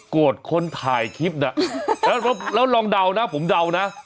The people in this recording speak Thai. คนถ่ายคลิปน่ะแล้วลองเดานะผมเดานะ